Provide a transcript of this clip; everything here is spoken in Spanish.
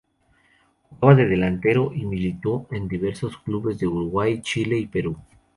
Jugaba de delantero y militó en diversos clubes de Uruguay, Chile y Perú.